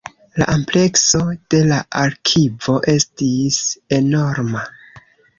La amplekso de la arkivo estis enorma.